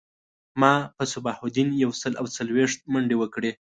ما په صباح الدین یو سل او څلویښت منډی وکړی